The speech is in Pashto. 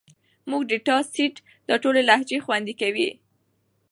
زموږ ډیټا سیټ دا ټولې لهجې خوندي کوي.